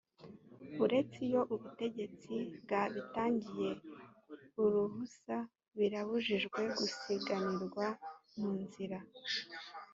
uretse iyo ubutegetsi bwabitangiye uruhusa birabujijwe gusiganirwa mu nzira